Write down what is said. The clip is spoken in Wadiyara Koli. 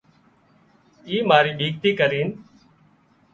اي ماري ٻيڪ ٿي ڪرينَ